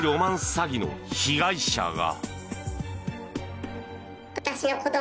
詐欺の被害者が。